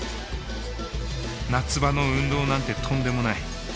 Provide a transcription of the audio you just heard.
夏場の運動なんてとんでもない。